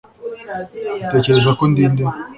utekereza ko ndi nde